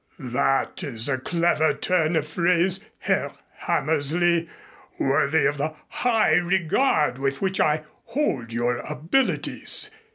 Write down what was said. "That is a clever turn of phrase, Herr Hammersley, worthy of the high regard with which I hold your abilities.